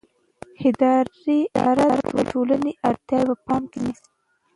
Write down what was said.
اداره د ټولنې اړتیاوې په پام کې نیسي.